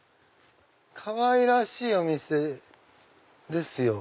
かわいらしいお店ですよ。